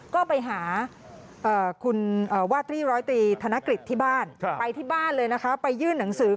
ก็ไปหาคุณวาตรีร้อยตรีธนกฤษที่บ้านไปที่บ้านเลยนะคะไปยื่นหนังสือ